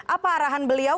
apa arahan beliau